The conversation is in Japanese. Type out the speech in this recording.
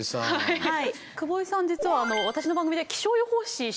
はい。